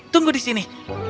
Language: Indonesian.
tunggu di sini